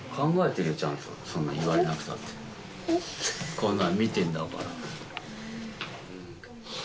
こんなん見てんだから。